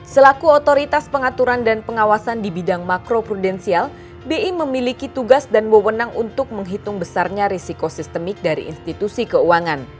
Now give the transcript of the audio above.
selaku otoritas pengaturan dan pengawasan di bidang makro prudensial bi memiliki tugas dan wewenang untuk menghitung besarnya risiko sistemik dari institusi keuangan